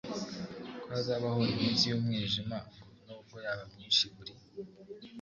ko hazabaho iminsi y umwijima g nubwo yaba myinshi buri